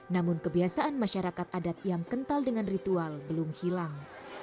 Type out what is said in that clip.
namun kebiasaan masyarakat adat yang kental dengan ritual belum hilang